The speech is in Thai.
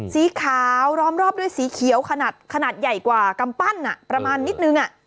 สีขาวล้อมรอบด้วยสีเขียวขนาดใหญ่กว่ากำปั้นประมาณนิดนึง